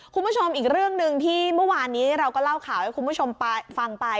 คุณผู้ชมอีกเรื่องหนึ่งที่เมื่อวานนี้เราก็เล่าข่าวให้คุณผู้ชมฟังไป